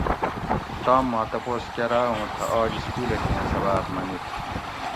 تام ما تپوس کراۤ اُوں تھۤہ آج سکولہ کیں سباۤق منیت